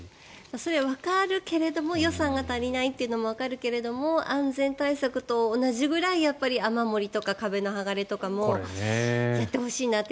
それはわかるけれども予算が足りないというのもわかるけれども安全対策と同じぐらい雨漏りとか壁の剥がれとかもやってほしいなって。